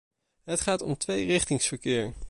Het gaat om tweerichtingsverkeer.